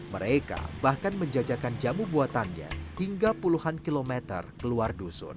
mereka bahkan menjajakan jamu buatannya hingga puluhan kilometer keluar dusun